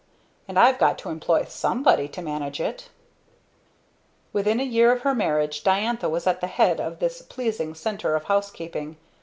And I've got to employ somebody to manage it!" Within a year of her marriage Diantha was at the head of this pleasing Centre of Housekeeping.